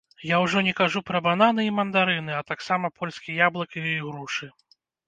Я ўжо не кажу пра бананы і мандарыны, а таксама польскі яблык і ігрушы.